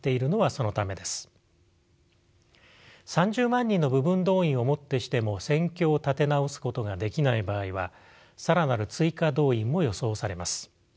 ３０万人の部分動員をもってしても戦況を立て直すことができない場合は更なる追加動員も予想されます。